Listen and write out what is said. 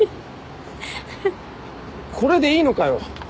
これでいいのかよ。